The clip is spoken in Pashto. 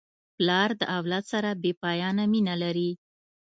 پلار د اولاد سره بېپایانه مینه لري.